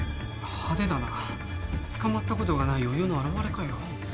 派手だな捕まったことがない余裕の表れかよ